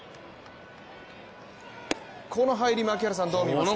この入り、槙原さんどう見ますか？